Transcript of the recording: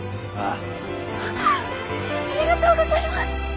ありがとうございます！